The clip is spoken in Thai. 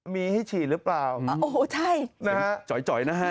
มีให้ฉีดหรือเปล่าโอ้โหใช่นะฮะจ่อยนะฮะ